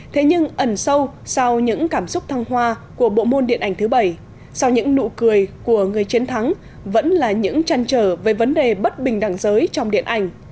thế nhưng ẩn sâu sau những cảm xúc thăng hoa của bộ môn điện ảnh thứ bảy sau những nụ cười của người chiến thắng vẫn là những trăn trở về vấn đề bất bình đẳng giới trong điện ảnh